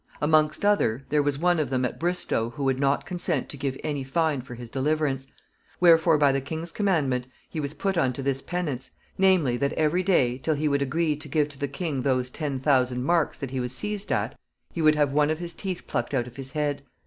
Amongst other, there was one of them at Bristow who would not consent to give any fine for his deliverance; wherefore by the king's commandment he was put unto this penance, namely, that eurie daie, till he would agree to give to the king those ten thousand marks that he was siezed at, he would have one of his teeth plucked out of his head.